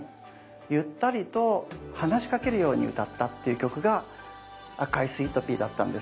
ゆったりと話しかけるように歌ったっていう曲が「赤いスイートピー」だったんです。